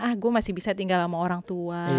ah gue masih bisa tinggal sama orang tua